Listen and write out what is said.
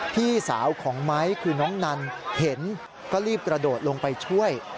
พี่สาวของไม้คือน้องนันเห็นก็รีบกระโดดลงไปช่วย